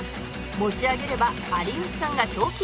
持ち上げれば有吉さんが賞金獲得ですが